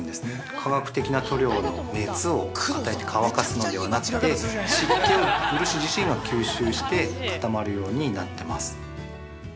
化学的な塗料の熱を与えて乾かすのではなくて湿気を漆自身が吸収して固まるようになってます。